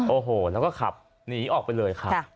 โอ้โหแล้วก็ขับหนีออกไปเลยครับ